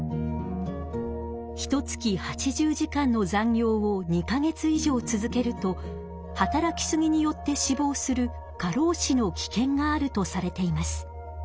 ひとつき８０時間の残業を２か月以上続けると働きすぎによって死ぼうする「過労死」の危険があるとされています。